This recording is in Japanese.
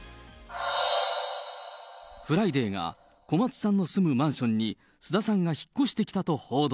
フライデーが、小松さんの住むマンションに菅田さんが引っ越してきたと報道。